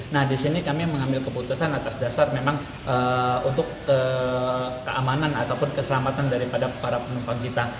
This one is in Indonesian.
nah di sini kami mengambil keputusan atas dasar memang untuk keamanan ataupun keselamatan daripada para penumpang kita